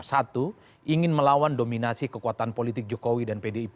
satu ingin melawan dominasi kekuatan politik jokowi dan pdip